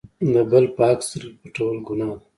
د بل په حق سترګې پټول ګناه ده.